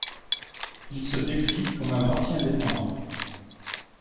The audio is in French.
Il se décrit comme un parti indépendant.